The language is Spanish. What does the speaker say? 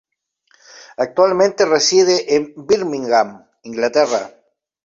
Actualmente reside en Birmingham, Inglaterra.